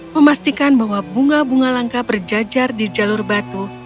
memastikan bahwa bunga bunga langka berjajar di jalur batu